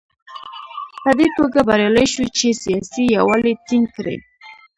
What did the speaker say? په دې توګه بریالی شو چې سیاسي یووالی ټینګ کړي.